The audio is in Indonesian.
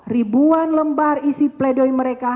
ribuan lembar isi pledoi mereka